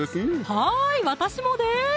はい私もです